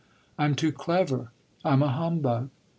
"I'm too clever I'm a humbug."